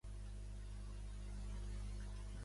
Chandigarh està prop de l'Himàlaia.